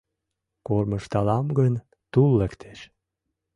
Кормыжталам гын, тул лектеш